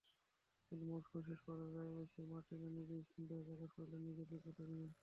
কিন্তু মৌসুমের শেষপর্যায়ে এসে মার্টিনো নিজেই সন্দেহ প্রকাশ করলেন নিজের যোগ্যতা নিয়ে।